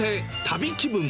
旅気分。